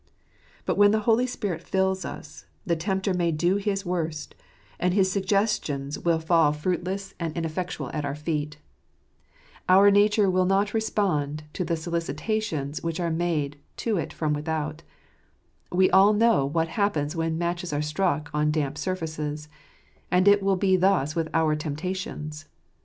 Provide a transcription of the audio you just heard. But when the Holy Spirit fills us, the tempter may s do his worst, and his suggestions will fall fruitless and 4 8 Clre %ztvzt of ineffectual at our feet ; our nature will not respond to the solicitations which are made to it from without We all know what happens when matches are struck on damp surfaces; and it will be thus with our temptations.